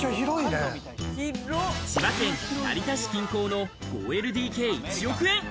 千葉県・成田市近郊の５ＬＤＫ１億円。